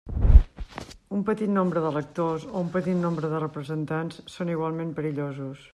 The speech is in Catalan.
Un petit nombre d'electors, o un petit nombre de representats, són igualment perillosos.